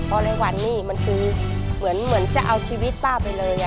อเรวันนี่มันคือเหมือนจะเอาชีวิตป้าไปเลย